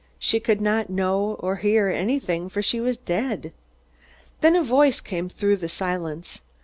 She could not know or hear anything, for she was dead. Then a voice came through the silence.